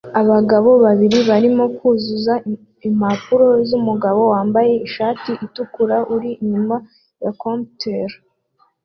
Abagabo babiri barimo kuzuza impapuro z'umugabo wambaye ishati itukura uri inyuma ya comptoir